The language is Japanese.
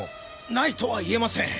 ないとは言えません。